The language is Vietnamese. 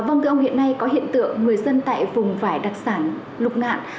vâng thưa ông hiện nay có hiện tượng người dân tại vùng vải đặc sản lục ngạn